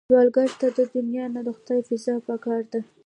سوالګر ته د دنیا نه، د خدای فضل پکار دی